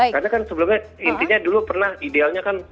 karena kan sebelumnya intinya dulu pernah idealnya kan